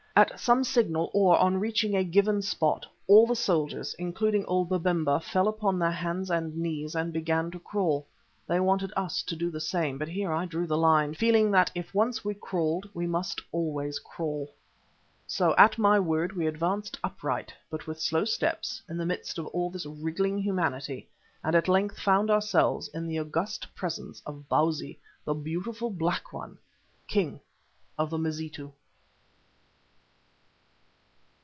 At some signal or on reaching a given spot, all the soldiers, including old Babemba, fell upon their hands and knees and began to crawl. They wanted us to do the same, but here I drew the line, feeling that if once we crawled we must always crawl. So at my word we advanced upright, but with slow steps, in the midst of all this wriggling humanity and at length found ourselves in the august presence of Bausi, "the Beautiful Black One," King of the Mazitu.